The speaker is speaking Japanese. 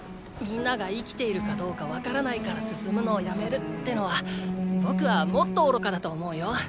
皆が生きているかどうか分からないから進むのを止めるってのは僕はもっと愚かだと思うよ。